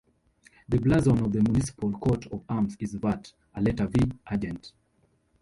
The blazon of the municipal coat of arms is Vert, a letter V Argent.